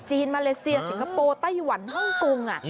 มาเลเซียสิงคโปร์ไต้หวันฮ่องกง